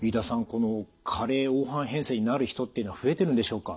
この加齢黄斑変性になる人っていうのは増えてるんでしょうか？